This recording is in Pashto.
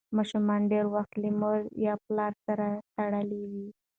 ماشوم ډېر وخت له مور یا پلار سره تړلی وي.